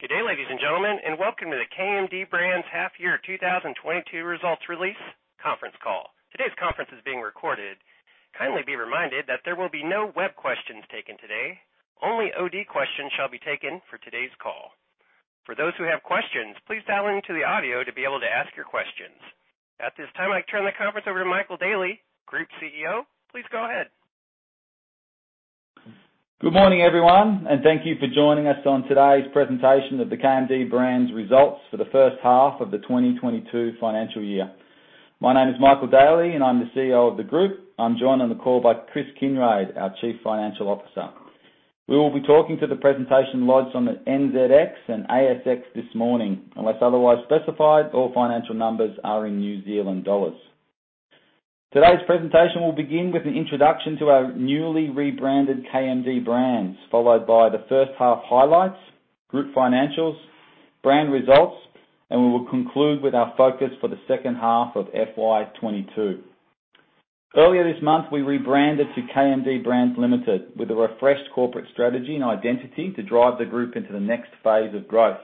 Good day, ladies and gentlemen, and welcome to the KMD Brands Half Year 2022 Results Release Conference Call. Today's conference is being recorded. Kindly be reminded that there will be no web questions taken today. Only audio questions shall be taken for today's call. For those who have questions, please dial into the audio to be able to ask your questions. At this time, I turn the conference over to Michael Daly, Group CEO. Please go ahead. Good morning, everyone, and thank you for joining us on today's presentation of the KMD Brands results for the first half of the 2022 financial year. My name is Michael Daly, and I'm the CEO of the group. I'm joined on the call by Chris Kinraid, our chief financial officer. We will be talking to the presentation lodged on the NZX and ASX this morning. Unless otherwise specified, all financial numbers are in NZD. Today's presentation will begin with an introduction to our newly rebranded KMD Brands, followed by the first half highlights, group financials, brand results, and we will conclude with our focus for the second half of FY 2022. Earlier this month, we rebranded to KMD Brands Limited with a refreshed corporate strategy and identity to drive the group into the next phase of growth.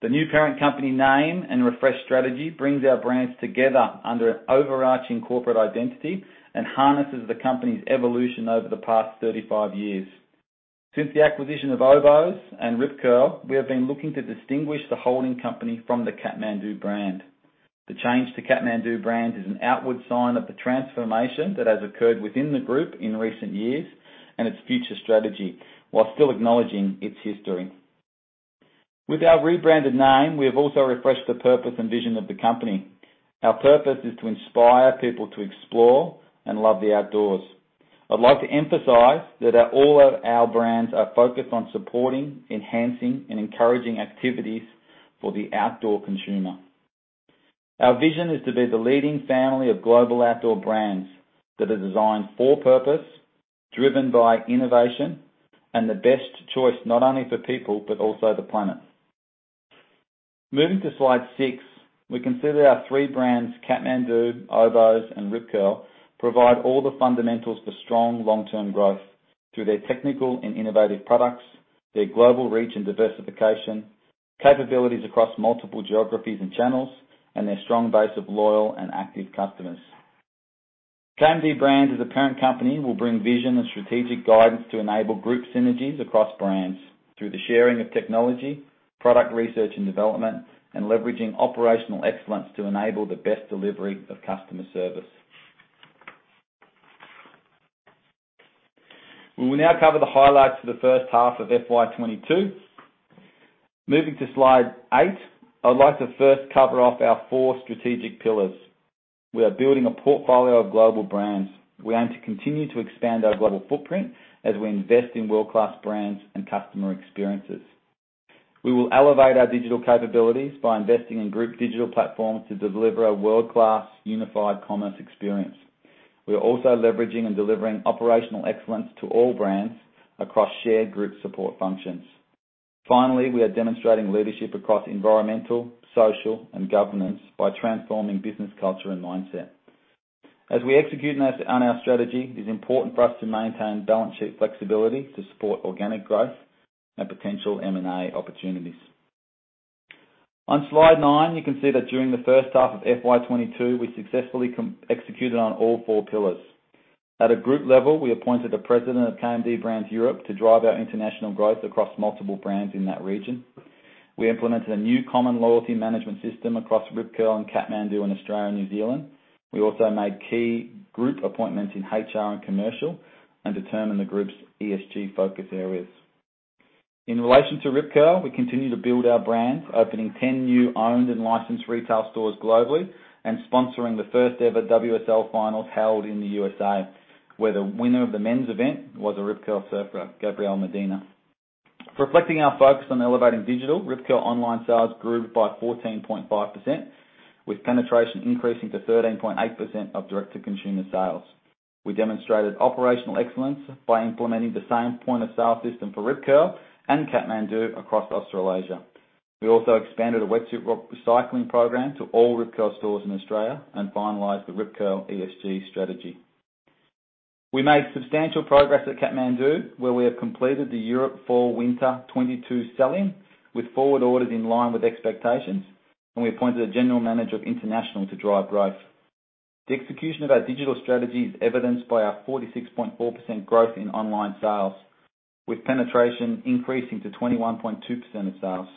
The new parent company name and refreshed strategy brings our brands together under an overarching corporate identity and harnesses the company's evolution over the past 35 years. Since the acquisition of Oboz and Rip Curl, we have been looking to distinguish the holding company from the Kathmandu brand. The change to KMD Brands is an outward sign of the transformation that has occurred within the group in recent years and its future strategy, while still acknowledging its history. With our rebranded name, we have also refreshed the purpose and vision of the company. Our purpose is to inspire people to explore and love the outdoors. I'd like to emphasize that all of our brands are focused on supporting, enhancing, and encouraging activities for the outdoor consumer. Our vision is to be the leading family of global outdoor brands that are designed for purpose, driven by innovation, and the best choice not only for people, but also the planet. Moving to slide 6, we consider our three brands, Kathmandu, Oboz, and Rip Curl, provide all the fundamentals for strong long-term growth through their technical and innovative products, their global reach and diversification, capabilities across multiple geographies and channels, and their strong base of loyal and active customers. KMD Brands as a parent company, will bring vision and strategic guidance to enable group synergies across brands through the sharing of technology, product research and development, and leveraging operational excellence to enable the best delivery of customer service. We will now cover the highlights for the first half of FY 2022. Moving to slide 8, I would like to first cover off our four strategic pillars. We are building a portfolio of global brands. We aim to continue to expand our global footprint as we invest in world-class brands and customer experiences. We will elevate our digital capabilities by investing in group digital platforms to deliver a world-class unified commerce experience. We are also leveraging and delivering operational excellence to all brands across shared group support functions. Finally, we are demonstrating leadership across environmental, social, and governance by transforming business culture and mindset. As we execute on our strategy, it is important for us to maintain balance sheet flexibility to support organic growth and potential M&A opportunities. On slide nine, you can see that during the first half of FY 2022, we successfully executed on all four pillars. At a group level, we appointed a president of KMD Brands Europe to drive our international growth across multiple brands in that region. We implemented a new common loyalty management system across Rip Curl and Kathmandu in Australia and New Zealand. We also made key group appointments in HR and commercial and determined the group's ESG focus areas. In relation to Rip Curl, we continue to build our brand, opening 10 new owned and licensed retail stores globally and sponsoring the first-ever WSL finals held in the USA, where the winner of the men's event was a Rip Curl surfer, Gabriel Medina. Reflecting our focus on elevating digital, Rip Curl online sales grew by 14.5%, with penetration increasing to 13.8% of direct-to-consumer sales. We demonstrated operational excellence by implementing the same point-of-sale system for Rip Curl and Kathmandu across Australasia. We also expanded a wetsuit recycling program to all Rip Curl stores in Australia and finalized the Rip Curl ESG strategy. We made substantial progress at Kathmandu, where we have completed the Europe fall/winter 2022 sell-in, with forward orders in line with expectations, and we appointed a general manager of international to drive growth. The execution of our digital strategy is evidenced by our 46.4% growth in online sales, with penetration increasing to 21.2% of sales.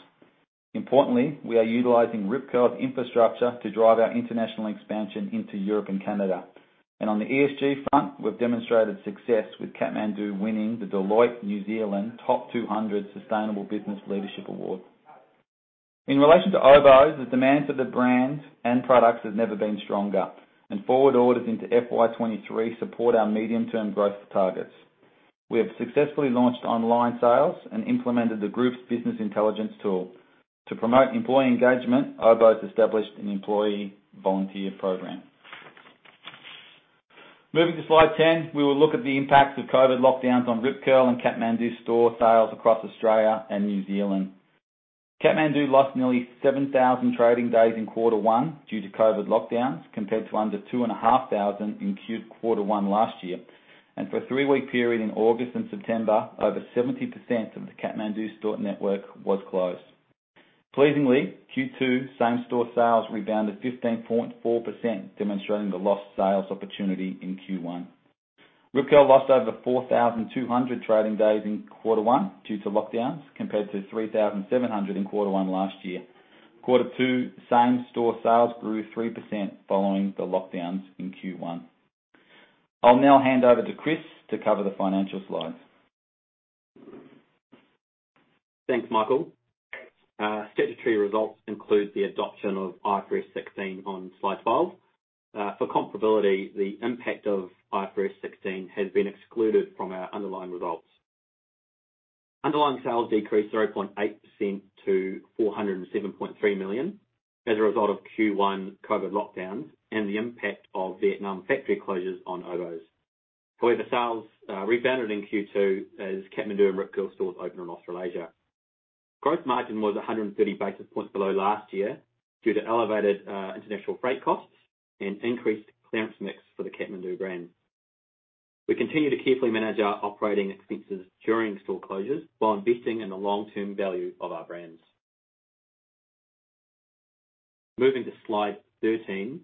Importantly, we are utilizing Rip Curl's infrastructure to drive our international expansion into Europe and Canada. On the ESG front, we've demonstrated success with Kathmandu winning the Deloitte Top 200 Sustainable Business Leadership Award. In relation to Oboz, the demand for the brands and products has never been stronger, and forward orders into FY 2023 support our medium-term growth targets. We have successfully launched online sales and implemented the group's business intelligence tool. To promote employee engagement, Oboz established an employee volunteer program. Moving to slide 10, we will look at the impacts of COVID lockdowns on Rip Curl and Kathmandu store sales across Australia and New Zealand. Kathmandu lost nearly 7,000 trading days in quarter one due to COVID lockdowns, compared to under 2,500 in quarter one last year. For a three-week period in August and September, over 70% of the Kathmandu store network was closed. Pleasingly, Q2 same-store sales rebounded 15.4%, demonstrating the lost sales opportunity in Q1. Rip Curl lost over 4,200 trading days in quarter one due to lockdowns, compared to 3,700 in quarter one last year. Quarter two same-store sales grew 3% following the lockdowns in Q1. I'll now hand over to Chris to cover the financial slides. Thanks, Michael. Statutory results include the adoption of IFRS 16 on Slide 12. For comparability, the impact of IFRS 16 has been excluded from our underlying results. Underlying sales decreased 0.8% to 407.3 million as a result of Q1 COVID lockdowns and the impact of Vietnam factory closures on Oboz's. However, sales rebounded in Q2 as Kathmandu and Rip Curl stores opened in Australasia. Gross margin was 130 basis points below last year due to elevated international freight costs and increased clearance mix for the Kathmandu brand. We continue to carefully manage our operating expenses during store closures while investing in the long-term value of our brands. Moving to Slide 13.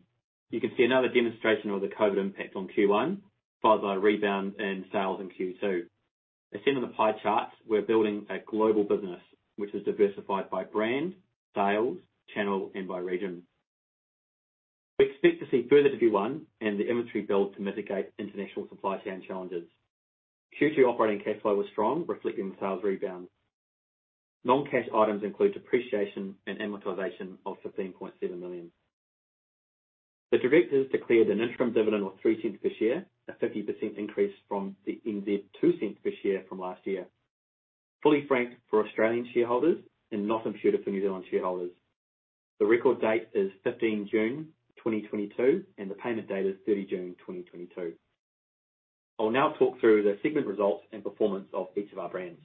You can see another demonstration of the COVID impact on Q1, followed by a rebound in sales in Q2. As seen on the pie chart, we're building a global business which is diversified by brand, sales, channel, and by region. We expect to see further de-risk and the inventory build to mitigate international supply chain challenges. Q2 operating cash flow was strong, reflecting the sales rebound. Non-cash items include depreciation and amortization of 15.7 million. The directors declared an interim dividend of 0.03 per share, a 50% increase from the 0.02 per share from last year. Fully franked for Australian shareholders and not imputed for New Zealand shareholders. The record date is 15th June 2022, and the payment date is 30 June 2022. I'll now talk through the segment results and performance of each of our brands.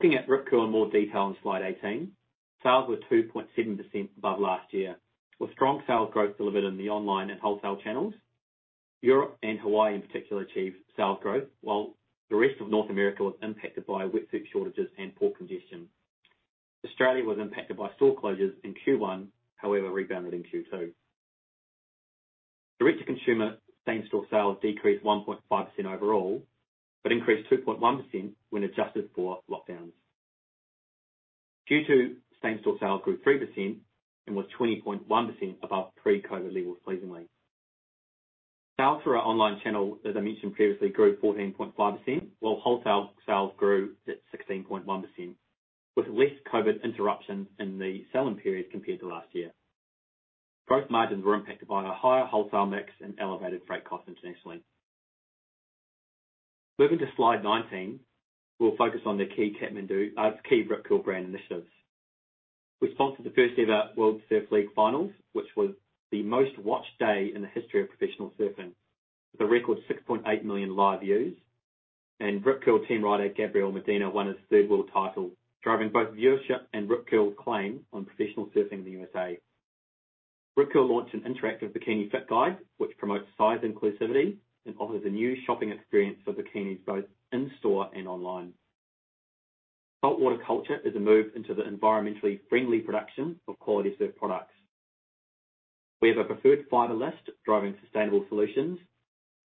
Looking at Rip Curl in more detail on Slide 18. Sales were 2.7% above last year, with strong sales growth delivered in the online and wholesale channels. Europe and Hawaii in particular achieved sales growth while the rest of North America was impacted by wetsuit shortages and port congestion. Australia was impacted by store closures in Q1, however rebounded in Q2. Direct to consumer same-store sales decreased 1.5% overall, but increased 2.1% when adjusted for lockdowns. Q2 same-store sales grew 3% and was 20.1% above pre-COVID levels pleasingly. Sales through our online channel, as I mentioned previously, grew 14.5%, while wholesale sales grew at 16.1%, with less COVID interruption in the selling period compared to last year. Gross margins were impacted by a higher wholesale mix and elevated freight costs internationally. Moving to Slide 19. We'll focus on the key Rip Curl brand initiatives. We sponsored the first-ever World Surf League finals, which was the most-watched day in the history of professional surfing, with a record 6.8 million live views. Rip Curl team rider Gabriel Medina won his third world title, driving both viewership and Rip Curl claim on professional surfing in the U.S. Rip Curl launched an interactive bikini fit guide, which promotes size inclusivity and offers a new shopping experience for bikinis, both in-store and online. Salt Water Culture is a move into the environmentally friendly production of quality surf products. We have a preferred fiber list driving sustainable solutions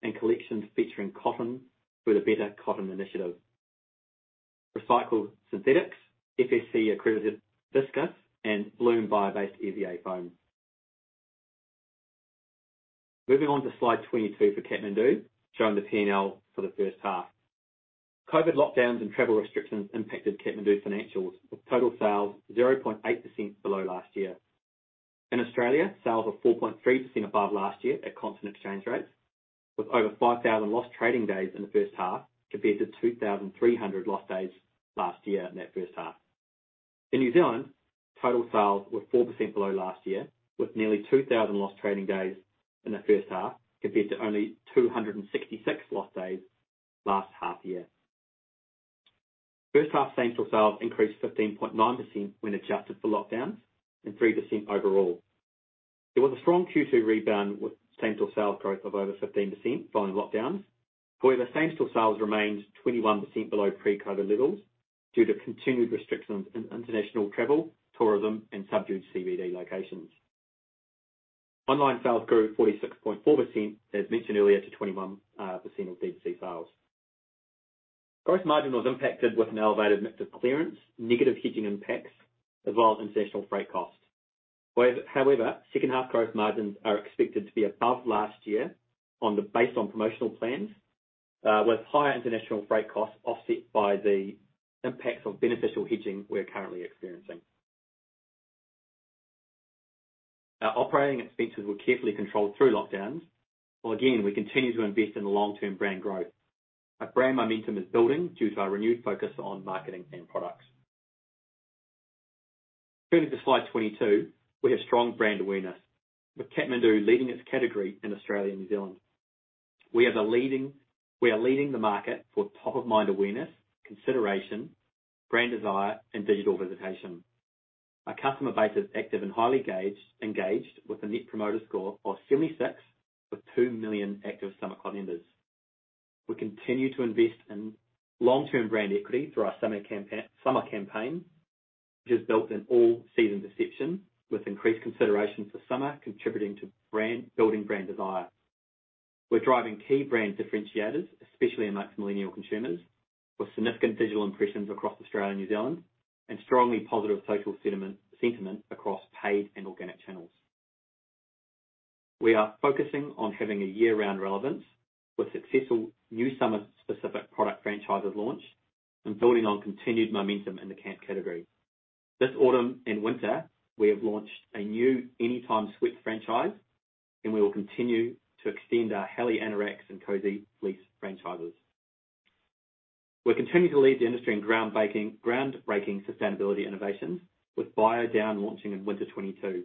and collections featuring cotton with a Better Cotton Initiative. Recycled synthetics, FSC-accredited viscose, and BLOOM bio-based EVA foam. Moving on to Slide 22 for Kathmandu, showing the P&L for the first half. COVID lockdowns and travel restrictions impacted Kathmandu financials, with total sales 0.8% below last year. In Australia, sales were 4.3% above last year at constant exchange rates, with over 5,000 lost trading days in the first half compared to 2,300 lost days last year in that first half. In New Zealand, total sales were 4% below last year, with nearly 2,000 lost trading days in the first half, compared to only 266 lost days last half year. First half same-store sales increased 15.9% when adjusted for lockdowns, and 3% overall. There was a strong Q2 rebound with same-store sales growth of over 15% following lockdowns. However, same-store sales remained 21% below pre-COVID levels due to continued restrictions in international travel, tourism, and subdued CBD locations. Online sales grew 46.4%, as mentioned earlier, to 21% of D2C sales. Gross margin was impacted with an elevated mix of clearance, negative hedging impacts, as well as international freight costs. However, second half growth margins are expected to be above last year based on promotional plans, with higher international freight costs offset by the impacts of beneficial hedging we're currently experiencing. Our operating expenses were carefully controlled through lockdowns, while again, we continue to invest in the long-term brand growth. Our brand momentum is building due to our renewed focus on marketing and products. Turning to Slide 22. We have strong brand awareness, with Kathmandu leading its category in Australia and New Zealand. We are leading the market for top-of-mind awareness, consideration, brand desire, and digital visitation. Our customer base is active and highly engaged with a net promoter score of 76, with 2 million active Summit Club members. We continue to invest in long-term brand equity through our summer campaign, which has built an all-season perception, with increased consideration for summer, contributing to building brand desire. We're driving key brand differentiators, especially among millennial consumers, with significant digital impressions across Australia and New Zealand, and strongly positive social sentiment across paid and organic channels. We are focusing on having a year-round relevance with successful new summer-specific product franchises launch and building on continued momentum in the camping category. This autumn and winter, we have launched a new Anytime Sweat franchise, and we will continue to extend our Heli Anoraks and Cozy Fleece franchises. We continue to lead the industry in groundbreaking sustainability innovations, with BioDown launching in winter 2022,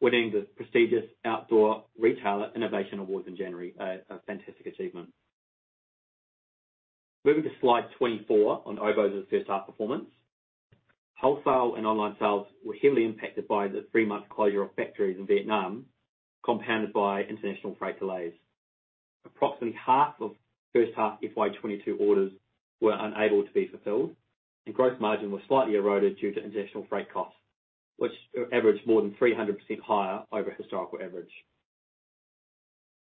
winning the prestigious Outdoor Retailer Innovation Award in January. A fantastic achievement. Moving to slide 24 on Oboz's first half performance. Wholesale and online sales were heavily impacted by the three-month closure of factories in Vietnam, compounded by international freight delays. Approximately half of first half FY 2022 orders were unable to be fulfilled, and growth margin was slightly eroded due to international freight costs, which averaged more than 300% higher over historical average.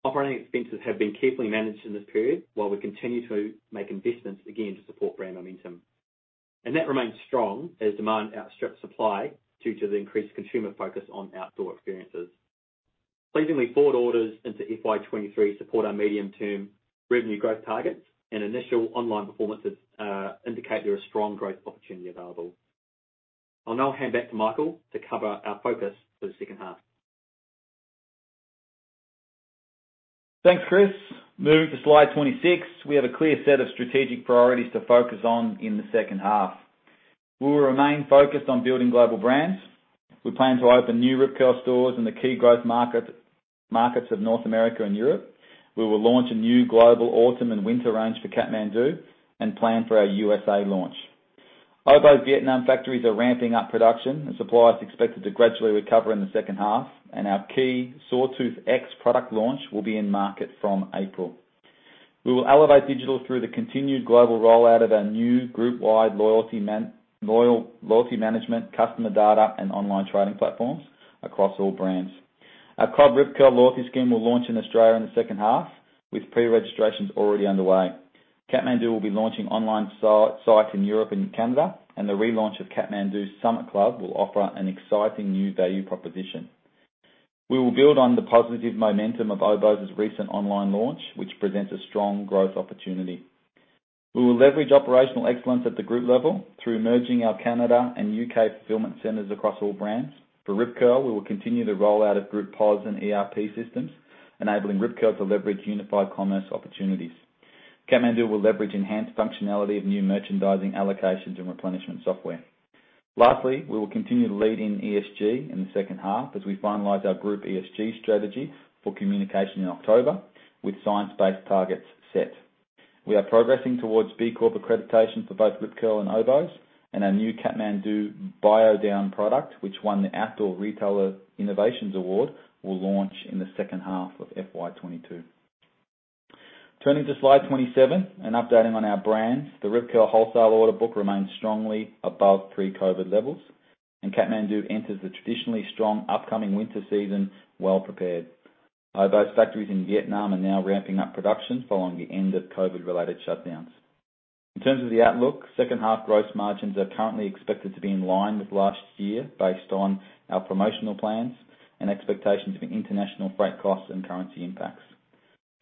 Operating expenses have been carefully managed in this period while we continue to make investments again to support brand momentum. That remains strong as demand outstrips supply due to the increased consumer focus on outdoor experiences. Pleasingly, forward orders into FY 2023 support our medium-term revenue growth targets, and initial online performances indicate there are strong growth opportunity available. I'll now hand back to Michael to cover our focus for the second half. Thanks, Chris. Moving to slide 26. We have a clear set of strategic priorities to focus on in the second half. We will remain focused on building global brands. We plan to open new Rip Curl stores in the key growth markets of North America and Europe. We will launch a new global autumn and winter range for Kathmandu and plan for our USA launch. Oboz Vietnam factories are ramping up production, and supply is expected to gradually recover in the second half, and our key Sawtooth X product launch will be in market from April. We will elevate digital through the continued global rollout of our new group-wide loyalty management, customer data, and online trading platforms across all brands. Our Club Rip Curl loyalty scheme will launch in Australia in the second half, with pre-registrations already underway. Kathmandu will be launching online site in Europe and Canada, and the relaunch of Kathmandu's Summit Club will offer an exciting new value proposition. We will build on the positive momentum of Oboz's recent online launch, which presents a strong growth opportunity. We will leverage operational excellence at the group level through merging our Canada and UK fulfillment centers across all brands. For Rip Curl, we will continue the rollout of group POS and ERP systems, enabling Rip Curl to leverage unified commerce opportunities. Kathmandu will leverage enhanced functionality of new merchandising allocations and replenishment software. Lastly, we will continue to lead in ESG in the second half as we finalize our group ESG strategy for communication in October with science-based targets set. We are progressing towards B Corp accreditation for both Rip Curl and Oboz, and our new Kathmandu BioDown product, which won the Outdoor Retailer Innovation Award, will launch in the second half of FY 2022. Turning to slide 27 and updating on our brands. The Rip Curl wholesale order book remains strongly above pre-COVID levels, and Kathmandu enters the traditionally strong upcoming winter season well prepared. Oboz factories in Vietnam are now ramping up production following the end of COVID-related shutdowns. In terms of the outlook, second half gross margins are currently expected to be in line with last year, based on our promotional plans and expectations for international freight costs and currency impacts.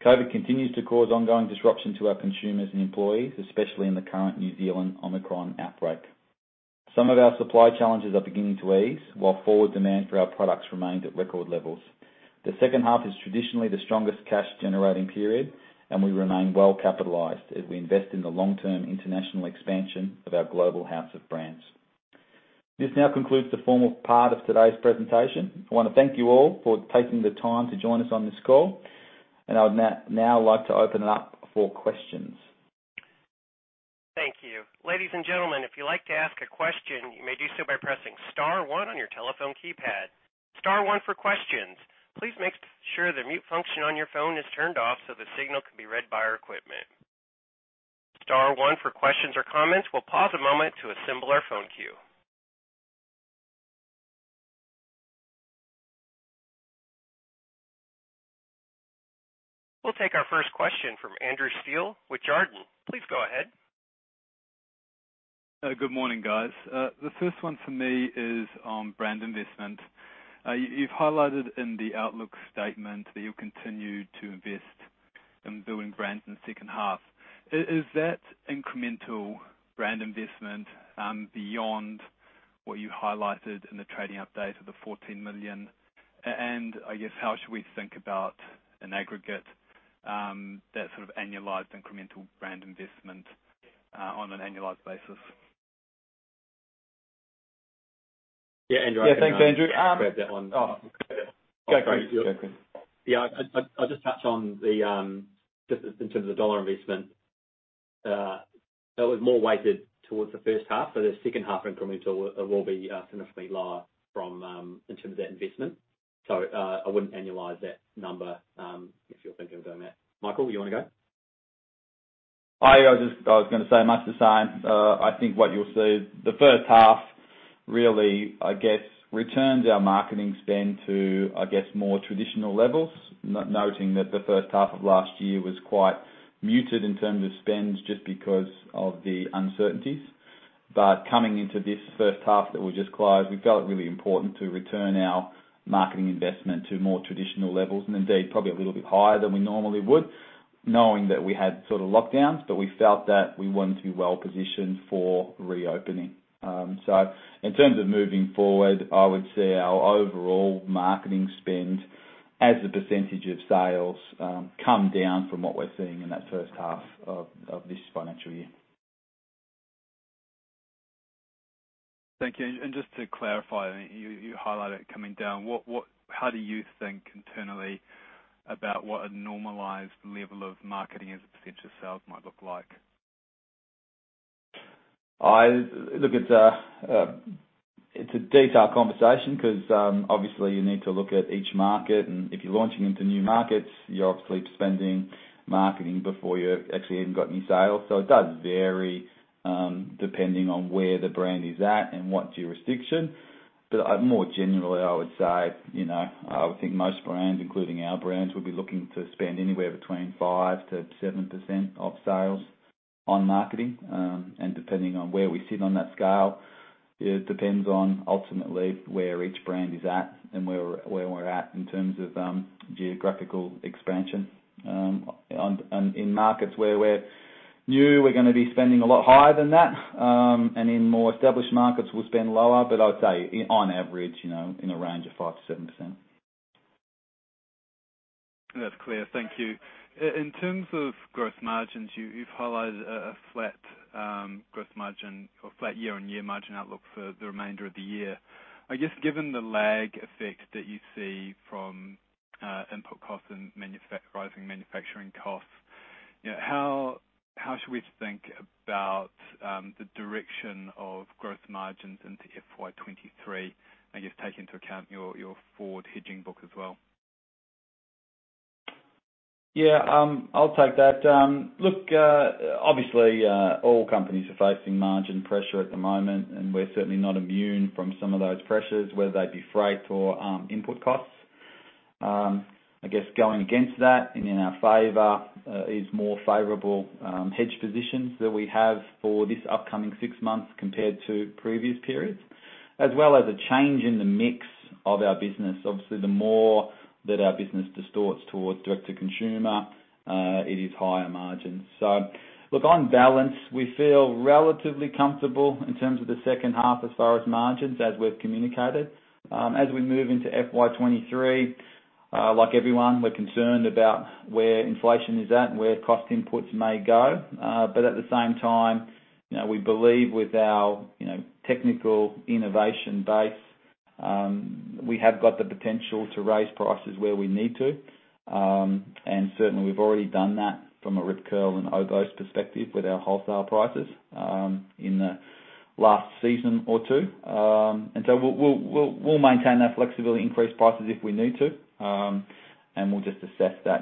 COVID continues to cause ongoing disruption to our consumers and employees, especially in the current New Zealand Omicron outbreak. Some of our supply challenges are beginning to ease while forward demand for our products remained at record levels. The second half is traditionally the strongest cash-generating period, and we remain well-capitalized as we invest in the long-term international expansion of our global house of brands. This now concludes the formal part of today's presentation. I wanna thank you all for taking the time to join us on this call, and I would now like to open it up for questions. Thank you. Ladies and gentlemen, if you'd like to ask a question, you may do so by pressing star one on your telephone keypad. Star one for questions. Please make sure the mute function on your phone is turned off so the signal can be read by our equipment. Star one for questions or comments. We'll pause a moment to assemble our phone queue. We'll take our first question from Andrew Steele with Jarden. Please go ahead. Good morning, guys. The first one for me is on brand investment. You've highlighted in the outlook statement that you'll continue to invest in building brands in the second half. Is that incremental brand investment beyond what you highlighted in the trading update of the 14 million? And I guess, how should we think about in aggregate that sort of annualized incremental brand investment on an annualized basis? Yeah, Andrew, I can- Yeah, thanks, Andrew. Grab that one. Go for it. Yeah. I'll just touch on just in terms of the dollar investment. That was more weighted towards the first half, so the second half incremental will be significantly lower from, in terms of that investment. I wouldn't annualize that number if you're thinking of doing that. Michael, you wanna go? I was gonna say much the same. I think what you'll see, the first half really returned our marketing spend to more traditional levels. Noting that the first half of last year was quite muted in terms of spends, just because of the uncertainties. Coming into this first half that we just closed, we felt it really important to return our marketing investment to more traditional levels and indeed probably a little bit higher than we normally would, knowing that we had sort of lockdowns, but we felt that we weren't too well positioned for reopening. In terms of moving forward, I would see our overall marketing spend as a percentage of sales come down from what we're seeing in that first half of this financial year. Thank you. Just to clarify, you highlighted it coming down. How do you think internally about what a normalized level of marketing as a percentage of sales might look like? Look, it's a detailed conversation 'cause obviously you need to look at each market, and if you're launching into new markets, you're obviously spending marketing before you actually even got any sales. It does vary depending on where the brand is at and what jurisdiction. But more generally, I would say, you know, I would think most brands, including our brands, would be looking to spend anywhere between 5%-7% of sales on marketing. Depending on where we sit on that scale, it depends on ultimately where each brand is at and where we're at in terms of geographical expansion. In markets where we're new, we're gonna be spending a lot higher than that. In more established markets, we'll spend lower. I'd say on average, you know, in a range of 5%-7%. That's clear. Thank you. In terms of gross margins, you've highlighted a flat gross margin or flat year-on-year margin outlook for the remainder of the year. I guess given the lag effect that you see from input costs and rising manufacturing costs, you know, how should we think about the direction of gross margins into FY 2023 and just take into account your forward hedging book as well? Yeah. I'll take that. Look, obviously, all companies are facing margin pressure at the moment, and we're certainly not immune from some of those pressures, whether they be freight or input costs. I guess going against that and in our favor is more favorable hedge positions that we have for this upcoming six months compared to previous periods, as well as a change in the mix of our business. Obviously, the more that our business distorts towards direct-to-consumer, it is higher margins. Look, on balance, we feel relatively comfortable in terms of the second half as far as margins as we've communicated. As we move into FY 2023, like everyone, we're concerned about where inflation is at and where cost inputs may go. At the same time, you know, we believe with our, you know, technical innovation base, we have got the potential to raise prices where we need to. Certainly we've already done that from a Rip Curl and Oboz perspective with our wholesale prices in the last season or two. We'll maintain that flexibility to increase prices if we need to. We'll just assess that.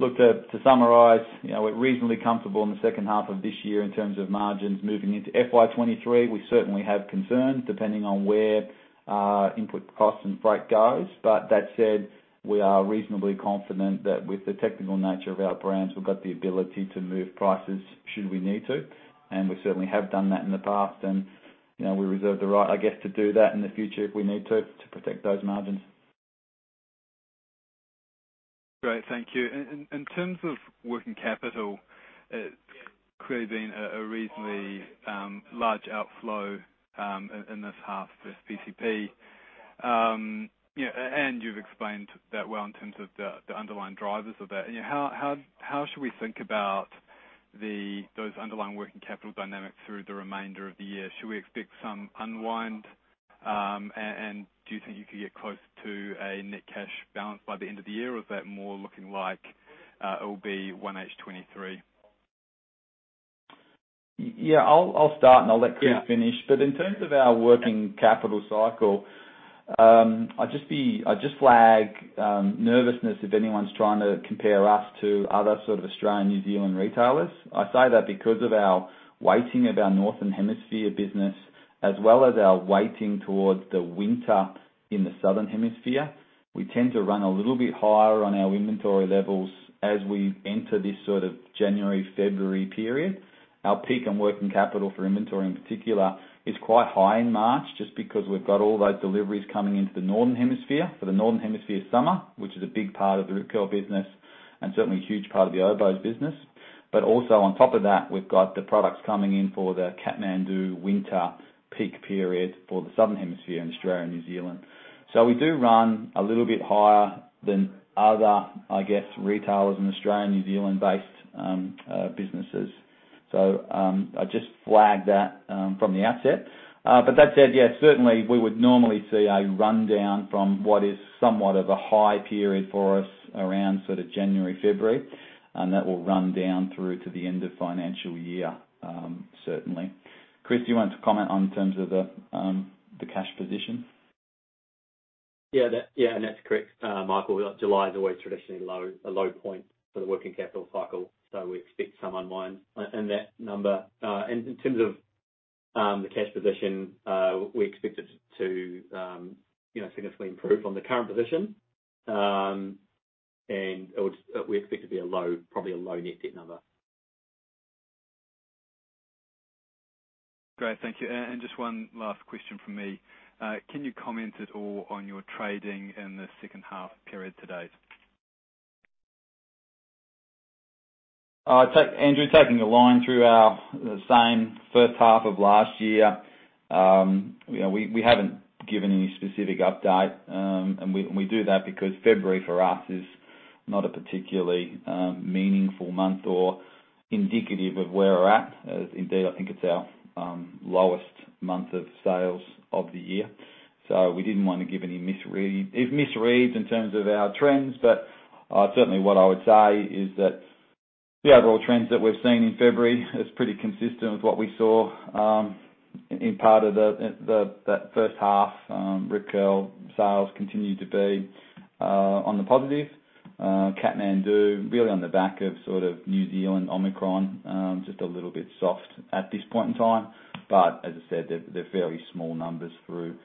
Look, to summarize, you know, we're reasonably comfortable in the second half of this year in terms of margins. Moving into FY 2023, we certainly have concerns depending on where input costs and freight goes. that said, we are reasonably confident that with the technical nature of our brands, we've got the ability to move prices should we need to, and we certainly have done that in the past. you know, we reserve the right, I guess, to do that in the future if we need to protect those margins. Great. Thank you. In terms of working capital, it's clearly been a reasonably large outflow in this half, this PCP. You know, you've explained that well in terms of the underlying drivers of that. You know, how should we think about those underlying working capital dynamics through the remainder of the year? Should we expect some unwind? Do you think you could get close to a net cash balance by the end of the year, or is that more looking like it'll be 1H 2023? Yeah. I'll start, and I'll let Chris finish. Yeah. In terms of our working capital cycle, I'd just flag nervousness if anyone's trying to compare us to other sort of Australian/New Zealand retailers. I say that because of our weighting of our Northern Hemisphere business as well as our weighting towards the winter in the Southern Hemisphere. We tend to run a little bit higher on our inventory levels as we enter this sort of January, February period. Our peak and working capital for inventory in particular is quite high in March just because we've got all those deliveries coming into the Northern Hemisphere for the Northern Hemisphere summer, which is a big part of the Rip Curl business and certainly a huge part of the Oboz business. Also on top of that, we've got the products coming in for the Kathmandu winter peak period for the Southern Hemisphere in Australia and New Zealand. We do run a little bit higher than other, I guess, retailers in Australian, New Zealand-based businesses. I'd just flag that from the outset. That said, yeah, certainly we would normally see a rundown from what is somewhat of a high period for us around sort of January, February, and that will run down through to the end of financial year, certainly. Chris, do you want to comment in terms of the cash position? Yeah, that's correct, Michael. July is always traditionally a low point for the working capital cycle, so we expect some unwind in that number. In terms of the cash position, we expect it to, you know, significantly improve on the current position. We expect it to be probably a low net debt number. Great. Thank you. Just one last question from me. Can you comment at all on your trading in the second half period to date? Andrew, taking a line through our, the same first half of last year, you know, we haven't given any specific update. We do that because February for us is not a particularly meaningful month or indicative of where we're at. As indeed, I think it's our lowest month of sales of the year, so we didn't wanna give any misread. It misreads in terms of our trends, but certainly what I would say is that the overall trends that we've seen in February is pretty consistent with what we saw in part of that first half. Rip Curl sales continue to be on the positive. Kathmandu really on the back of sort of New Zealand Omicron just a little bit soft at this point in time. As I said, they're fairly small numbers through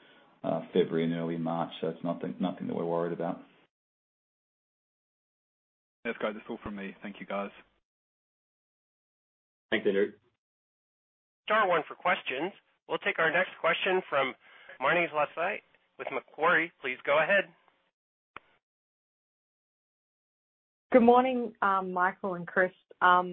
February and early March. It's nothing that we're worried about. That's great. That's all from me. Thank you, guys. Thank you, Andrew. Star one for questions. We'll take our next question from Marni Lysaght with Macquarie. Please go ahead. Good morning, Michael and Chris. I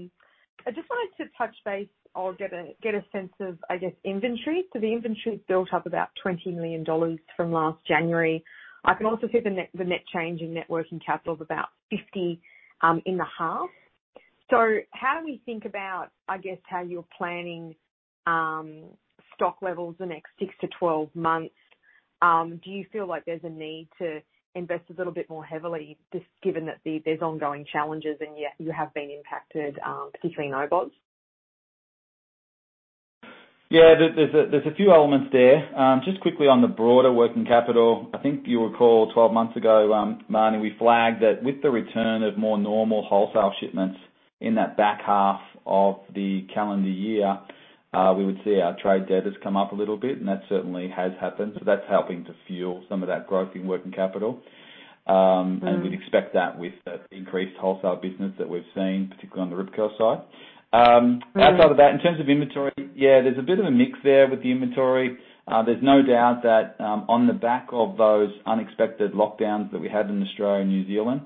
just wanted to touch base or get a sense of, I guess, inventory. The inventory built up about 20 million dollars from last January. I can also see the net change in working capital of about 50 million in the half. How do we think about, I guess, how you're planning stock levels the next six to 12 months? Do you feel like there's a need to invest a little bit more heavily just given that there's ongoing challenges and yet you have been impacted, particularly in Oboz? Yeah. There's a few elements there. Just quickly on the broader working capital. I think you'll recall 12 months ago, Marni, we flagged that with the return of more normal wholesale shipments in that back half of the calendar year, we would see our trade debtors come up a little bit, and that certainly has happened. That's helping to fuel some of that growth in working capital. We'd expect that with the increased wholesale business that we've seen, particularly on the Rip Curl side. Outside of that, in terms of inventory, yeah, there's a bit of a mix there with the inventory. There's no doubt that, on the back of those unexpected lockdowns that we had in Australia and New Zealand,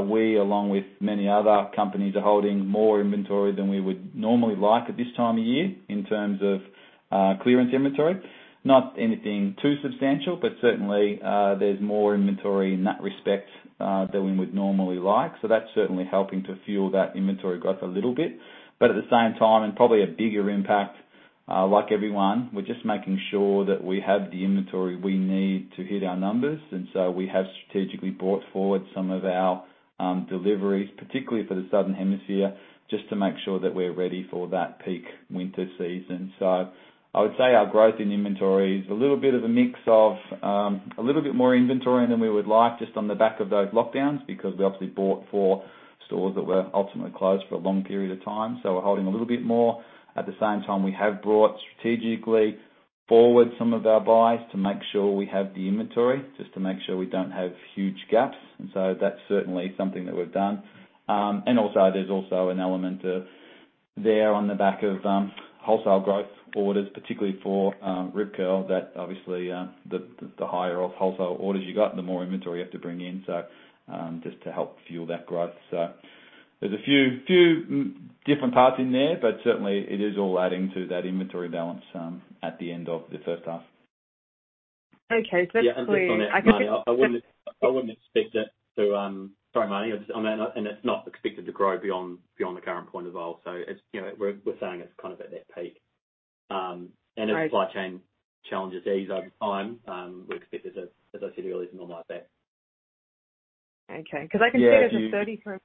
we along with many other companies are holding more inventory than we would normally like at this time of year in terms of clearance inventory. Not anything too substantial, but certainly, there's more inventory in that respect than we would normally like. That's certainly helping to fuel that inventory growth a little bit. At the same time, and probably a bigger impact, like everyone, we're just making sure that we have the inventory we need to hit our numbers. We have strategically brought forward some of our deliveries, particularly for the Southern Hemisphere, just to make sure that we're ready for that peak winter season. I would say our growth in inventory is a little bit of a mix of a little bit more inventory than we would like just on the back of those lockdowns because we obviously bought for stores that were ultimately closed for a long period of time. We're holding a little bit more. At the same time we have brought strategically forward some of our buys to make sure we have the inventory, just to make sure we don't have huge gaps. That's certainly something that we've done. Also, there's also an element there on the back of wholesale growth orders, particularly for Rip Curl that obviously the higher the wholesale orders you got, the more inventory you have to bring in. Just to help fuel that growth. There's a few different parts in there, but certainly it is all adding to that inventory balance at the end of the first half. Okay. That's clear. Just on that, Marni, I wouldn't expect it to. Sorry, Marni. It's not expected to grow beyond the current point at all. It's, you know, we're saying it's kind of at that peak. Right. Supply chain challenges ease over time, we expect it to, as I said earlier, to normalize that. Okay. 'Cause I can see. Yeah. There's a 33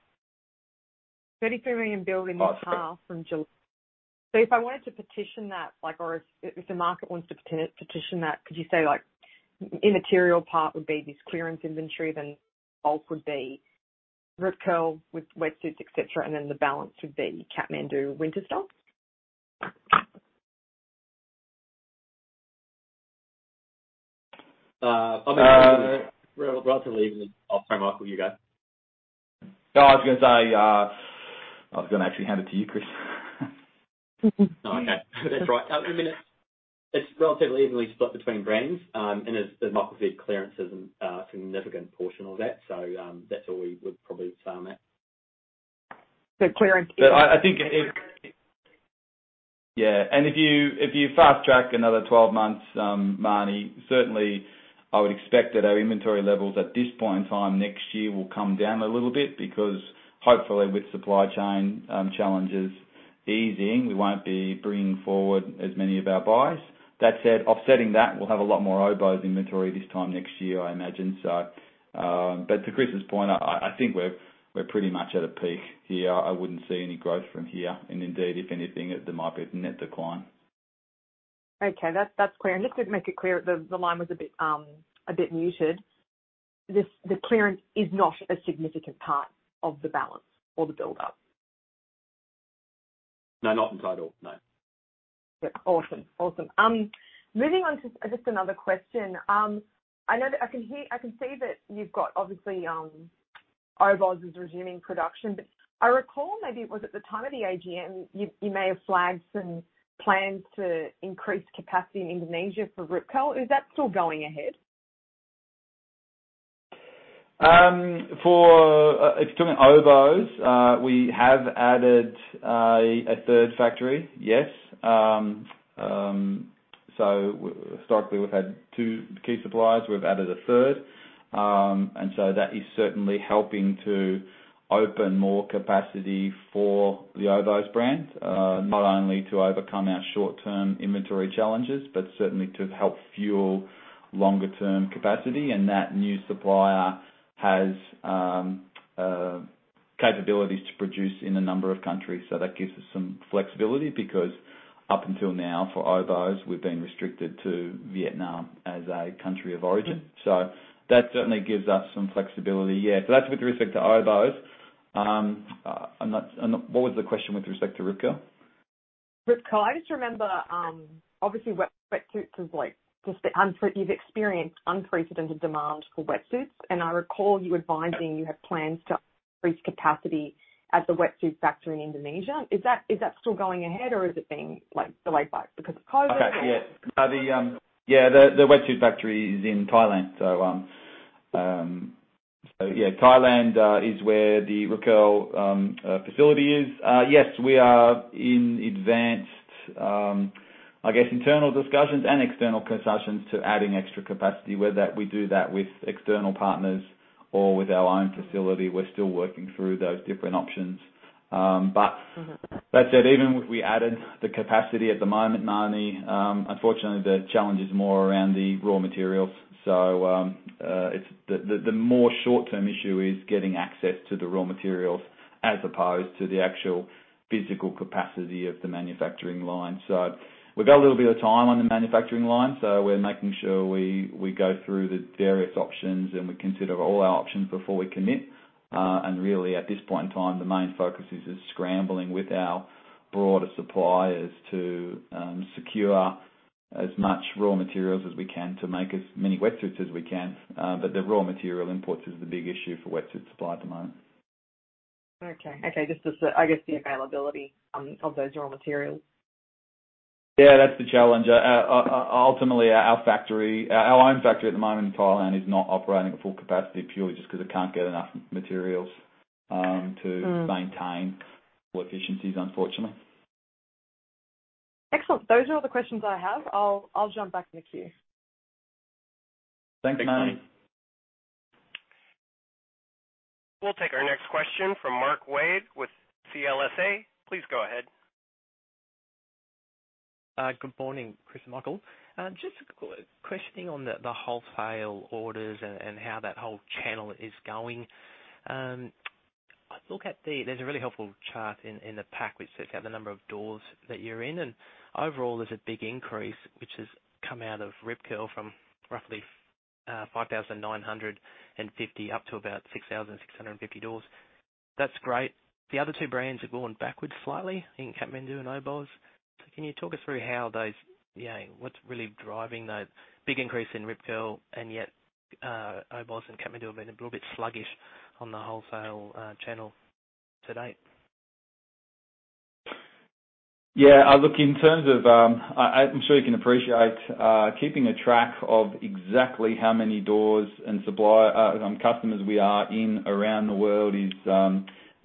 million build in this half from July. If I wanted to partition that, like or if the market wants to partition that, could you say like immaterial part would be this clearance inventory, then bulk would be Rip Curl with wetsuits, et cetera, and then the balance would be Kathmandu winter stock? I'm Oh, sorry, Michael, you go. No, I was gonna actually hand it to you, Chris. Oh, okay. That's right. I mean, it's relatively evenly split between brands. As Michael said, clearance is a significant portion of that. That's all we would probably say on that. The clearance- I think it. Yeah. If you fast track another 12 months, Marni, certainly I would expect that our inventory levels at this point in time next year will come down a little bit because hopefully with supply chain challenges easing, we won't be bringing forward as many of our buys. That said, offsetting that, we'll have a lot more Oboz inventory this time next year, I imagine so. To Chris's point, I think we're pretty much at a peak here. I wouldn't see any growth from here. Indeed, if anything, there might be a net decline. Okay, that's clear. Just to make it clear, the line was a bit muted. The clearance is not a significant part of the balance or the build-up? No, not at all, no. Awesome. Moving on to just another question. I know that I can see that you've obviously got Oboz is resuming production, but I recall maybe it was at the time of the AGM, you may have flagged some plans to increase capacity in Indonesia for Rip Curl. Is that still going ahead? If you're talking Oboz, we have added a third factory, yes. Historically, we've had two key suppliers. We've added a third, and that is certainly helping to open more capacity for the Oboz brand. Not only to overcome our short-term inventory challenges, but certainly to help fuel longer-term capacity. That new supplier has a capability to produce in a number of countries, so that gives us some flexibility because up until now, for Oboz, we've been restricted to Vietnam as a country of origin. That certainly gives us some flexibility. Yeah. That's with respect to Oboz. What was the question with respect to Rip Curl? Rip Curl. I just remember, obviously, wetsuits is like just you've experienced unprecedented demand for wetsuits, and I recall you advising you have plans to increase capacity at the wetsuit factory in Indonesia. Is that still going ahead or has it been, like, delayed by because of COVID? Yeah. No, the wetsuit factory is in Thailand, so yeah, Thailand is where the Rip Curl facility is. Yes, we are in advanced, I guess, internal discussions and external discussions to adding extra capacity. Whether we do that with external partners or with our own facility, we're still working through those different options. That said, even if we added the capacity at the moment, Marni, unfortunately the challenge is more around the raw materials. The more short-term issue is getting access to the raw materials as opposed to the actual physical capacity of the manufacturing line. We've got a little bit of time on the manufacturing line, so we're making sure we go through the various options and we consider all our options before we commit. Really at this point in time, the main focus is scrambling with our broader suppliers to secure as much raw materials as we can to make as many wetsuits as we can. The raw material imports is the big issue for wetsuit supply at the moment. I guess the availability of those raw materials. Yeah, that's the challenge. Ultimately, our factory, our own factory at the moment in Thailand is not operating at full capacity purely just 'cause it can't get enough materials. Mm. To maintain full efficiencies, unfortunately. Excellent. Those are all the questions I have. I'll jump back in the queue. Thanks, Marni. We'll take our next question from Mark Wade with CLSA. Please go ahead. Good morning, Chris and Michael. Just a question on the wholesale orders and how that whole channel is going. There's a really helpful chart in the pack, which sets out the number of doors that you're in. Overall, there's a big increase, which has come out of Rip Curl from roughly 5,950 up to about 6,650 doors. That's great. The other two brands have gone backwards slightly in Kathmandu and Oboz. Can you talk us through how those, you know, what's really driving that big increase in Rip Curl and yet Oboz and Kathmandu have been a little bit sluggish on the wholesale channel to date? Yeah. Look, in terms of, I'm sure you can appreciate, keeping a track of exactly how many doors and supplier customers we are in around the world is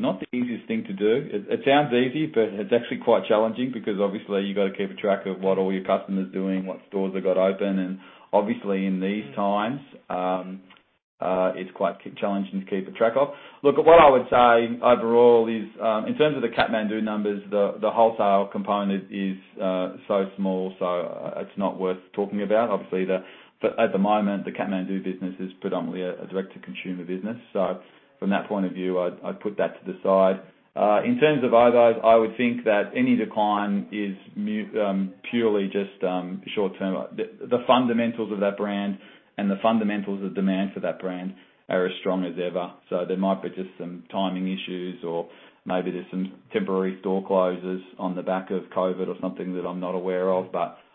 not the easiest thing to do. It sounds easy, but it's actually quite challenging because obviously you've got to keep a track of what all your customers are doing, what stores they've got open. Obviously, in these times, it's quite challenging to keep a track of. Look, what I would say overall is, in terms of the Kathmandu numbers, the wholesale component is so small, so it's not worth talking about. Obviously, at the moment, the Kathmandu business is predominantly a direct-to-consumer business. From that point of view, I'd put that to the side. In terms of Oboz, I would think that any decline is purely just short-term. The fundamentals of that brand and the fundamentals of demand for that brand are as strong as ever. There might be just some timing issues or maybe there's some temporary store closures on the back of COVID or something that I'm not aware of.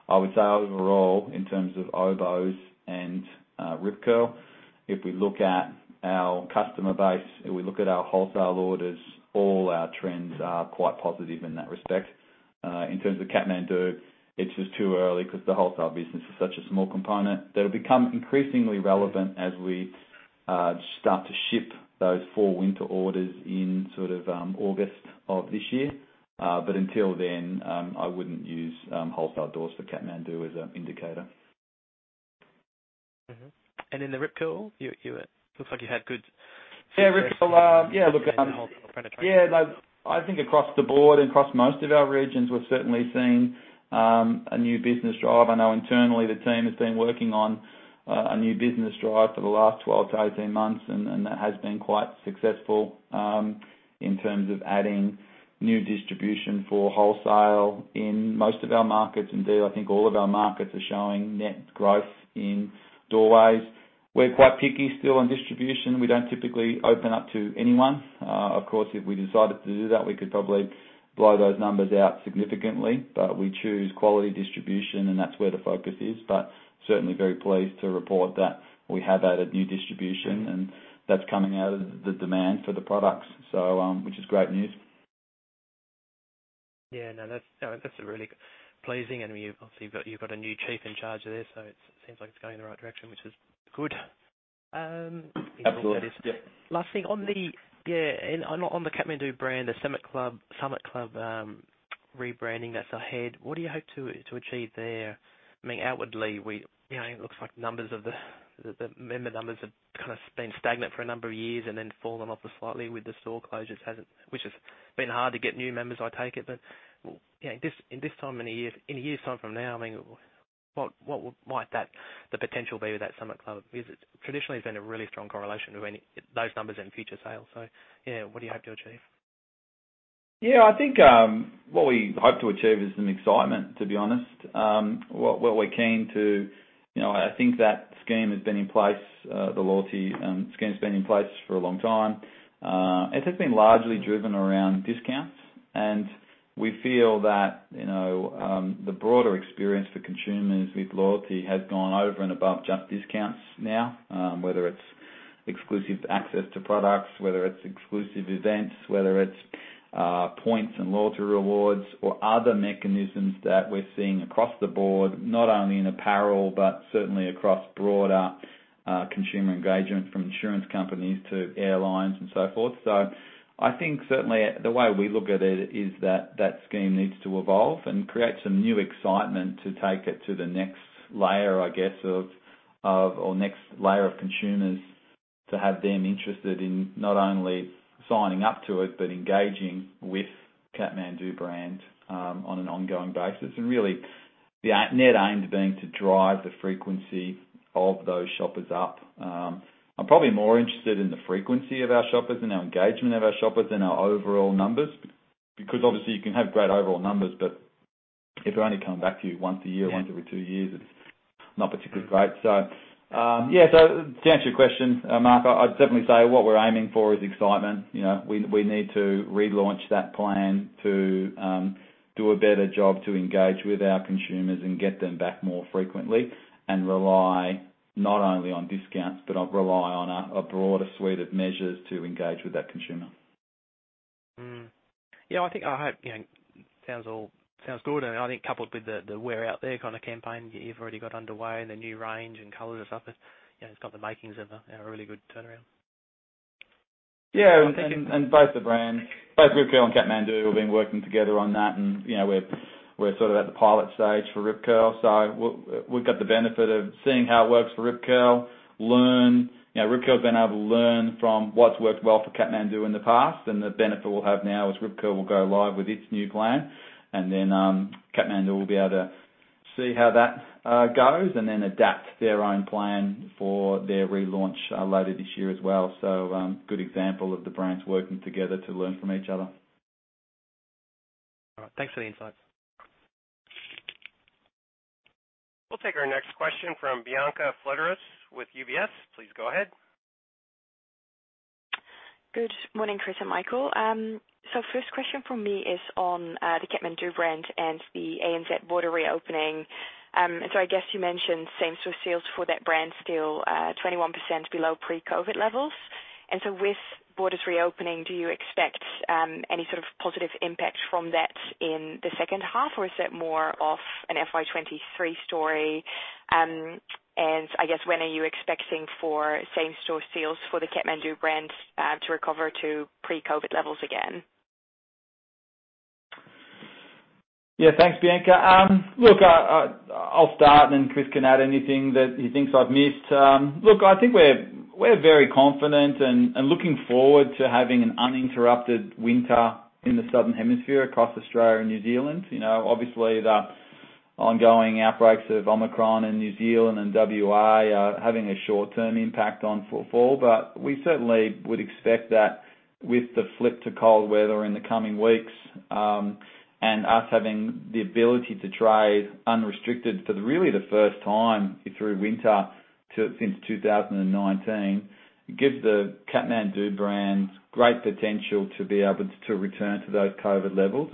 I would say overall, in terms of Oboz and Rip Curl, if we look at our customer base, if we look at our wholesale orders, all our trends are quite positive in that respect. In terms of Kathmandu, it's just too early 'cause the wholesale business is such a small component. That'll become increasingly relevant as we start to ship those four winter orders in sort of August of this year. Until then, I wouldn't use wholesale doors for Kathmandu as an indicator. In the Rip Curl, it looks like you had good. Yeah, Rip Curl, yeah, look wholesale penetration. Yeah, no, I think across the board, across most of our regions, we've certainly seen a new business drive. I know internally, the team has been working on a new business drive for the last 12-18 months, and that has been quite successful in terms of adding new distribution for wholesale in most of our markets. Indeed, I think all of our markets are showing net growth in doorways. We're quite picky still on distribution. We don't typically open up to anyone. Of course, if we decided to do that, we could probably blow those numbers out significantly. We choose quality distribution, and that's where the focus is. Certainly very pleased to report that we have added new distribution and that's coming out of the demand for the products, so which is great news. Yeah. No, that's really pleasing. You've obviously got a new chief in charge of this, so it seems like it's going in the right direction, which is good. Absolutely. Yep. Last thing. On the Kathmandu brand, the Summit Club rebranding that's ahead, what do you hope to achieve there? I mean, outwardly, you know, it looks like the member numbers have kind of been stagnant for a number of years and then fallen off slightly with the store closures. Which has been hard to get new members, I take it, but, you know, in a year's time from now, I mean, what might the potential be with that Summit Club? Because traditionally there has been a really strong correlation with those numbers in future sales. Yeah, what do you hope to achieve? Yeah, I think what we hope to achieve is some excitement, to be honest. What we're keen to, you know, I think that scheme has been in place, the loyalty scheme's been in place for a long time. It has been largely driven around discounts, and we feel that, you know, the broader experience for consumers with loyalty has gone over and above just discounts now, whether it's exclusive access to products, whether it's exclusive events, whether it's points and loyalty rewards or other mechanisms that we're seeing across the board, not only in apparel but certainly across broader consumer engagement from insurance companies to airlines and so forth. I think certainly the way we look at it is that scheme needs to evolve and create some new excitement to take it to the next layer, I guess, or next layer of consumers to have them interested in not only signing up to it, but engaging with the Kathmandu brand on an ongoing basis. Really, the main aim's been to drive the frequency of those shoppers up. I'm probably more interested in the frequency of our shoppers and our engagement of our shoppers than our overall numbers, because obviously you can have great overall numbers, but if they're only coming back to you once a year. Yeah. Once every two years, it's not particularly great. To answer your question, Mark, I'd definitely say what we're aiming for is excitement. You know, we need to relaunch that plan to do a better job to engage with our consumers and get them back more frequently and rely not only on discounts, but on a broader suite of measures to engage with that consumer. Yeah, I think I hope, you know, sounds good. I think coupled with the We're Out There kind of campaign you've already got underway and the new range and colors and stuff is, you know, it's got the makings of a really good turnaround. Yeah. Both the brands, both Rip Curl and Kathmandu have been working together on that. You know, we're sort of at the pilot stage for Rip Curl, so we've got the benefit of seeing how it works for Rip Curl, learn. You know, Rip Curl's been able to learn from what's worked well for Kathmandu in the past, and the benefit we'll have now is Rip Curl will go live with its new plan, and then Kathmandu will be able to see how that goes and then adapt their own plan for their relaunch later this year as well. Good example of the brands working together to learn from each other. All right. Thanks for the insight. We'll take our next question from Bianca Fledderus with UBS. Please go ahead. Good morning, Chris and Michael. First question from me is on the Kathmandu brand and the ANZ border reopening. I guess you mentioned same store sales for that brand still 21% below pre-COVID levels. With borders reopening, do you expect any sort of positive impact from that in the second half, or is it more of an FY 2023 story? I guess when are you expecting for same store sales for the Kathmandu brand to recover to pre-COVID levels again? Yeah. Thanks, Bianca. Look, I’ll start and then Chris can add anything that he thinks I’ve missed. Look, I think we’re very confident and looking forward to having an uninterrupted winter in the Southern Hemisphere across Australia and New Zealand. You know, obviously the ongoing outbreaks of Omicron in New Zealand and WA are having a short-term impact on fall, but we certainly would expect that with the flip to cold weather in the coming weeks, and us having the ability to trade unrestricted for really the first time through winter since 2019, gives the Kathmandu brand great potential to be able to return to those COVID levels.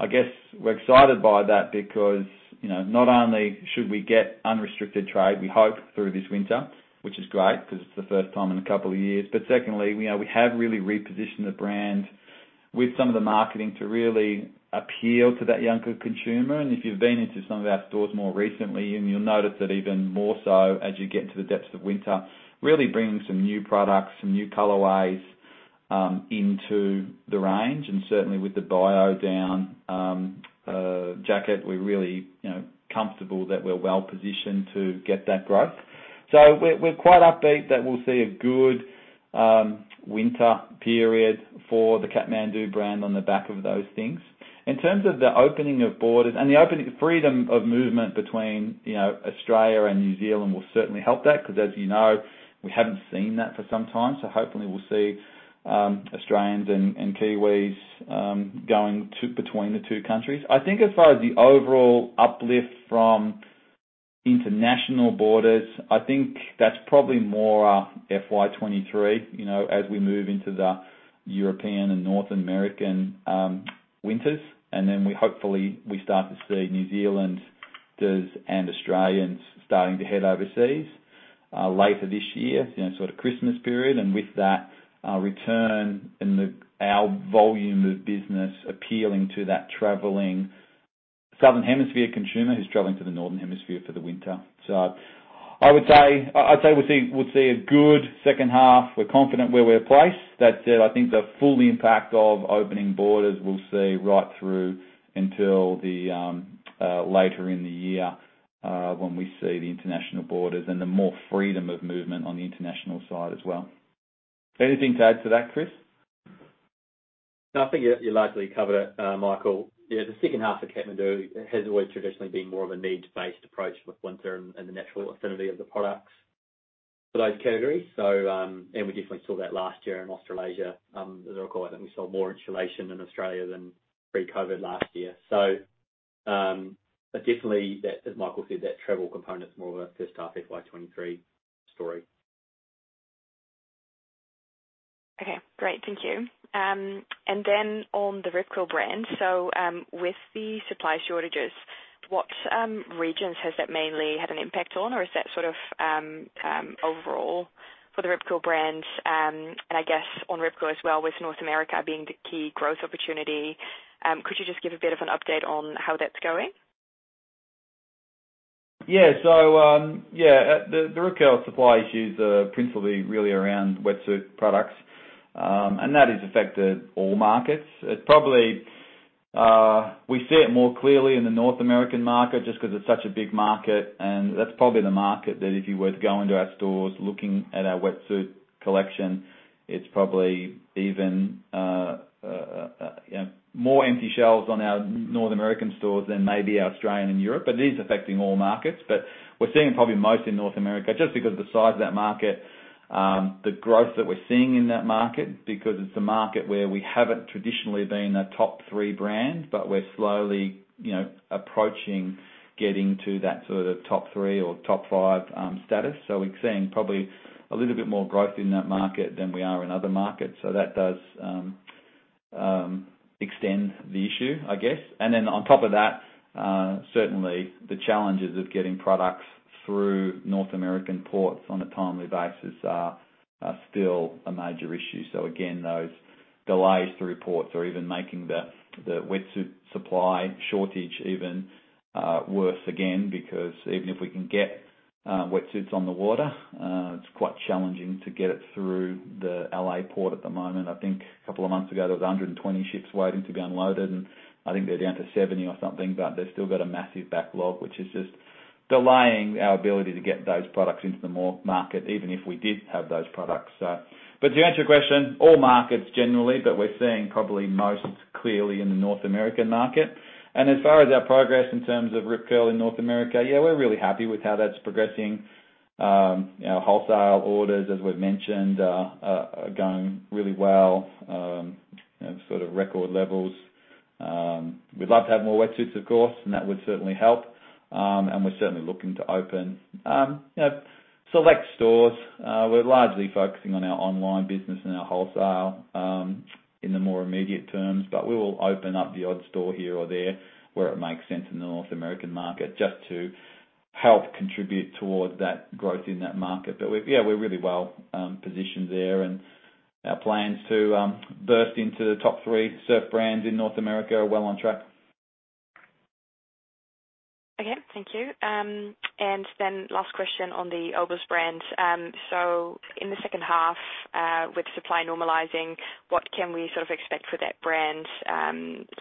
I guess we're excited by that because, you know, not only should we get unrestricted trade, we hope through this winter, which is great 'cause it's the first time in a couple of years. Secondly, you know, we have really repositioned the brand with some of the marketing to really appeal to that younger consumer. If you've been into some of our stores more recently, you'll notice that even more so as you get into the depths of winter, really bringing some new products, some new colorways into the range. Certainly with the BioDown jacket, we're really, you know, comfortable that we're well-positioned to get that growth. We're quite upbeat that we'll see a good winter period for the Kathmandu brand on the back of those things. In terms of the opening of borders and the opening. Freedom of movement between, you know, Australia and New Zealand will certainly help that. 'Cause as you know, we haven't seen that for some time, so hopefully we'll see Australians and Kiwis going between the two countries. I think as far as the overall uplift from international borders, I think that's probably more FY 2023, you know, as we move into the European and North American winters. We hopefully start to see New Zealanders and Australians starting to head overseas later this year, you know, sort of Christmas period. With that return and our volume of business appealing to that traveling Southern Hemisphere consumer who's traveling to the Northern Hemisphere for the winter. I'd say we'll see a good second half. We're confident where we're placed. That said, I think the full impact of opening borders we'll see right through until the later in the year, when we see the international borders and the more freedom of movement on the international side as well. Anything to add to that, Chris? No, I think you largely covered it, Michael. Yeah, the second half of Kathmandu has always traditionally been more of a needs-based approach with winter and the natural affinity of the products for those categories. We definitely saw that last year in Australasia, as I recall. I think we saw more insulation in Australia than pre-COVID last year. But definitely that, as Michael said, that travel component's more of a first half FY 2023 story. Okay, great. Thank you. On the Rip Curl brand, with the supply shortages, what regions has that mainly had an impact on? Is that sort of overall for the Rip Curl brand? I guess on Rip Curl as well, with North America being the key growth opportunity, could you just give a bit of an update on how that's going? The Rip Curl supply issues are principally really around wetsuit products. That has affected all markets. We see it more clearly in the North American market just 'cause it's such a big market, and that's probably the market that if you were to go into our stores looking at our wetsuit collection, it's probably even, you know, more empty shelves on our North American stores than maybe our Australian and European. It is affecting all markets. We're seeing it probably most in North America just because of the size of that market, the growth that we're seeing in that market because it's a market where we haven't traditionally been a top three brand. We're slowly, you know, approaching getting to that sort of top three or top five status. We're seeing probably a little bit more growth in that market than we are in other markets. That does extend the issue, I guess. Then on top of that, certainly the challenges of getting products through North American ports on a timely basis are still a major issue. Again, those delays through ports are even making the wetsuit supply shortage even worse again, because even if we can get wetsuits on the water, it's quite challenging to get it through the L.A. port at the moment. I think a couple of months ago, there was 120 ships waiting to be unloaded, and I think they're down to 70 or something. They've still got a massive backlog, which is just delaying our ability to get those products into the market more, even if we did have those products. To answer your question, all markets generally, but we're seeing probably most clearly in the North American market. As far as our progress in terms of Rip Curl in North America, yeah, we're really happy with how that's progressing. You know, wholesale orders, as we've mentioned, are going really well, you know, sort of record levels. We'd love to have more wetsuits, of course, and that would certainly help. We're certainly looking to open, you know, select stores. We're largely focusing on our online business and our wholesale in the more immediate term. We will open up the odd store here or there where it makes sense in the North American market, just to help contribute towards that growth in that market. We're, yeah, we're really well positioned there and our plans to burst into the top three surf brands in North America are well on track. Okay. Thank you. Last question on the Oboz brand. In the second half, with supply normalizing, what can we sort of expect for that brand?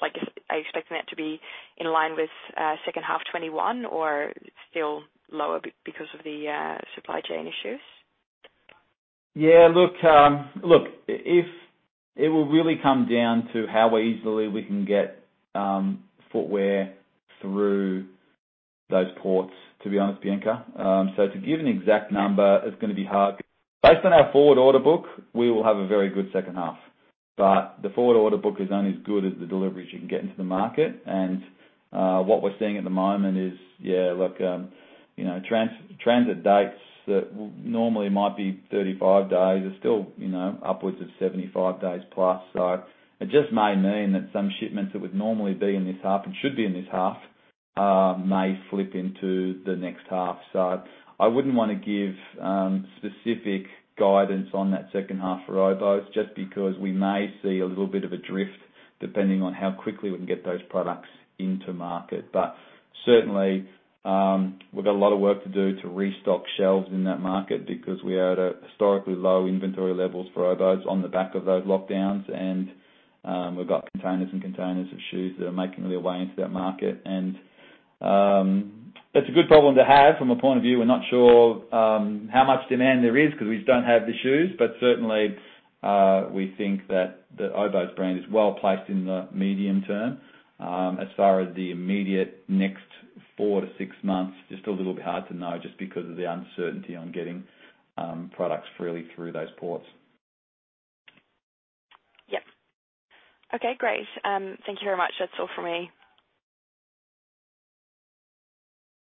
Like, are you expecting that to be in line with second half 2021 or still lower because of the supply chain issues? Yeah. Look, it will really come down to how easily we can get footwear through those ports, to be honest, Bianca. To give an exact number is gonna be hard. Based on our forward order book, we will have a very good second half. The forward order book is only as good as the deliveries you can get into the market. What we're seeing at the moment is, you know, transit dates that normally might be 35 days are still, you know, upwards of 75 days plus. It just may mean that some shipments that would normally be in this half and should be in this half may flip into the next half. I wouldn't wanna give specific guidance on that second half for Oboz, just because we may see a little bit of a drift depending on how quickly we can get those products into market. Certainly, we've got a lot of work to do to restock shelves in that market because we are at a historically low inventory levels for Oboz on the back of those lockdowns and, we've got containers and containers of shoes that are making their way into that market. That's a good problem to have from a point of view. We're not sure how much demand there is 'cause we just don't have the shoes. Certainly, we think that the Oboz brand is well-placed in the medium term. As far as the immediate next 4-6 months. Just a little bit hard to know just because of the uncertainty on getting products freely through those ports. Yep. Okay, great. Thank you very much. That's all for me.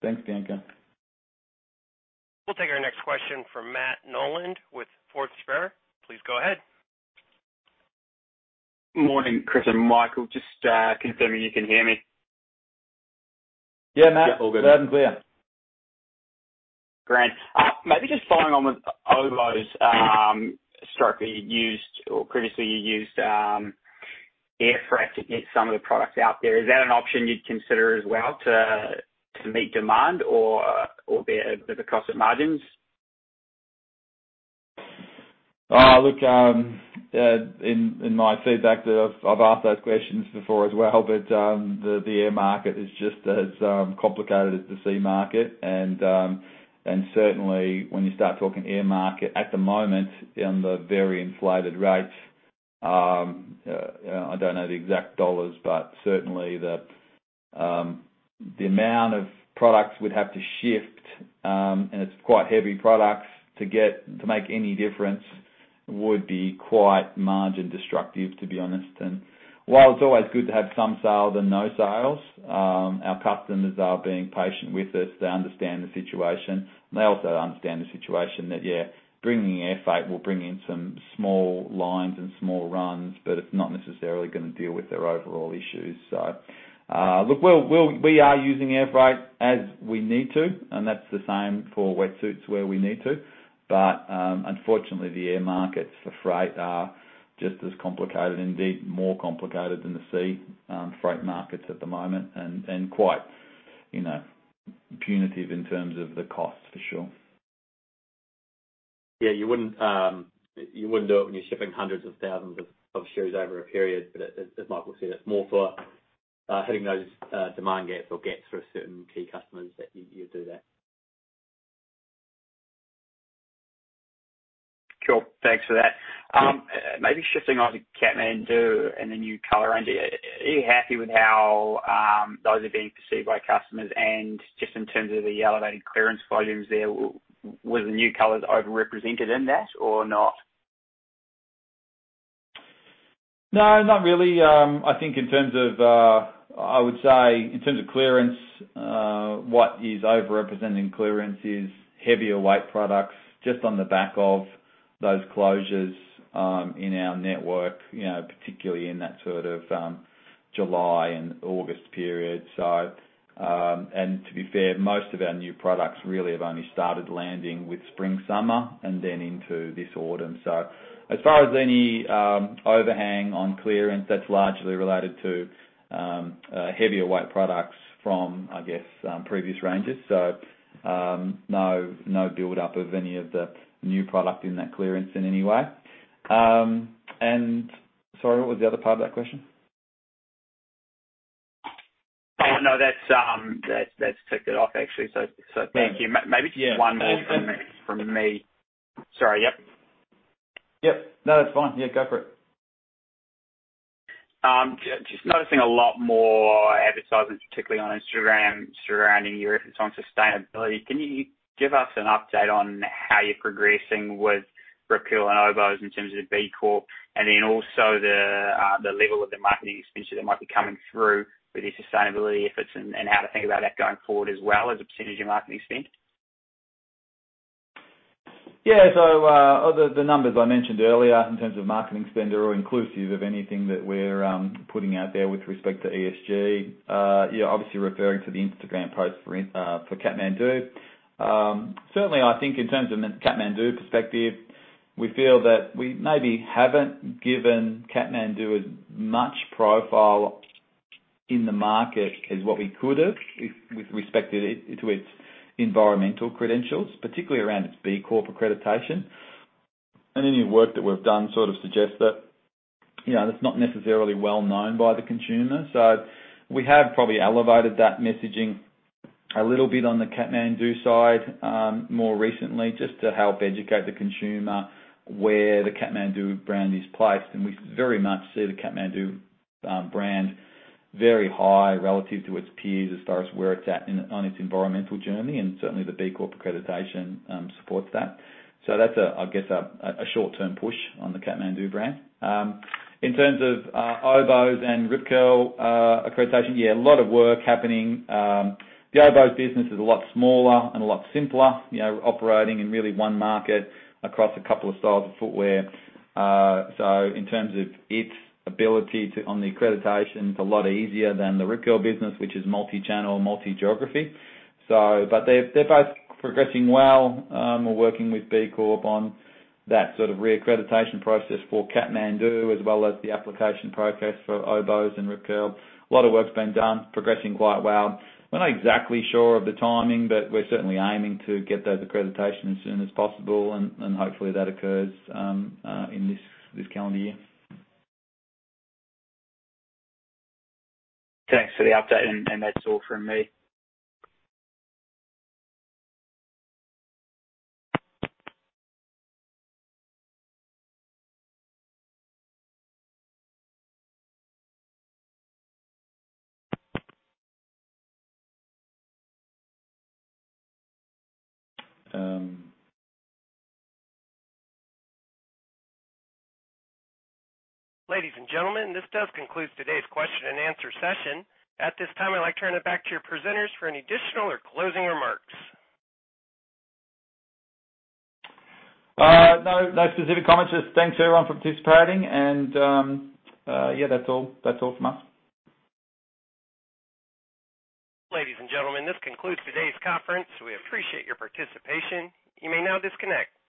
Thanks, Bianca. We'll take our next question from Matt Noland with Forsyth Barr. Please go ahead. Morning, Chris and Michael. Just confirming you can hear me. Yeah, Matt. Yeah, all good. Loud and clear. Great. Maybe just following on with Oboz, so previously you used air freight to get some of the products out there. Is that an option you'd consider as well to meet demand or the cost on margins? Look, in my feedback that I've asked those questions before as well, but the air market is just as complicated as the sea market. Certainly when you start talking air market at the moment on the very inflated rates, I don't know the exact dollars, but certainly the amount of products we'd have to shift, and it's quite heavy products to make any difference would be quite margin destructive, to be honest. While it's always good to have some sales than no sales, our customers are being patient with us. They understand the situation, and they also understand the situation that bringing air freight will bring in some small lines and small runs, but it's not necessarily gonna deal with their overall issues. Look, we are using air freight as we need to, and that's the same for wetsuits where we need to. Unfortunately, the air markets for freight are just as complicated, indeed more complicated than the sea freight markets at the moment and quite, you know, punitive in terms of the cost, for sure. Yeah. You wouldn't do it when you're shipping hundreds of thousands of shoes over a period. As Michael said, it's more for hitting those demand gaps or gaps for certain key customers that you do that. Cool. Thanks for that. Maybe shifting on to Kathmandu and the new color range. Are you happy with how those are being perceived by customers? Just in terms of the elevated clearance volumes there, was the new colors overrepresented in that or not? No, not really. I think I would say in terms of clearance, what is overrepresented in clearance is heavier weight products just on the back of those closures in our network, you know, particularly in that sort of July and August period. To be fair, most of our new products really have only started landing with spring, summer, and then into this autumn. As far as any overhang on clearance, that's largely related to heavier weight products from, I guess, previous ranges. No build up of any of the new product in that clearance in any way. Sorry, what was the other part of that question? Oh, no, that's ticked it off actually. Thank you. Yeah. Maybe just one more from me. Sorry. Yep. Yep. No, that's fine. Yeah, go for it. Just noticing a lot more advertising, particularly on Instagram surrounding your efforts on sustainability. Can you give us an update on how you're progressing with Rip Curl and Oboz in terms of the B Corp and then also the level of the marketing expenditure that might be coming through with your sustainability efforts and how to think about that going forward as well as a percentage of marketing spend? Yeah. The numbers I mentioned earlier in terms of marketing spend are all inclusive of anything that we're putting out there with respect to ESG. You're obviously referring to the Instagram post for Kathmandu. Certainly, I think in terms of Kathmandu perspective, we feel that we maybe haven't given Kathmandu as much profile in the market as what we could have with respect to it, to its environmental credentials, particularly around its B Corp accreditation. Any work that we've done sort of suggests that, you know, that's not necessarily well-known by the consumer. We have probably elevated that messaging a little bit on the Kathmandu side, more recently just to help educate the consumer where the Kathmandu brand is placed. We very much see the Kathmandu brand very high relative to its peers as far as where it's at in, on its environmental journey. Certainly, the B Corp accreditation supports that. That's I guess a short-term push on the Kathmandu brand. In terms of Oboz and Rip Curl accreditation, yeah, a lot of work happening. The Oboz business is a lot smaller and a lot simpler, you know, operating in really one market across a couple of styles of footwear. In terms of its ability on the accreditation, it's a lot easier than the Rip Curl business, which is multi-channel, multi-geography. But they're both progressing well. We're working with B Corp on that sort of reaccreditation process for Kathmandu, as well as the application process for Oboz and Rip Curl. A lot of work's been done, progressing quite well. We're not exactly sure of the timing, but we're certainly aiming to get those accreditations as soon as possible and hopefully that occurs in this calendar year. Thanks for the update, and that's all from me. Um- Ladies and gentlemen, this does conclude today's question and answer session. At this time, I'd like to turn it back to your presenters for any additional or closing remarks. No, no specific comments. Just thanks to everyone for participating and, yeah, that's all. That's all from us. Ladies and gentlemen, this concludes today's conference. We appreciate your participation. You may now disconnect.